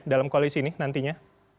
dalam koalisi ini nantinya